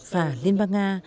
và liên bang nga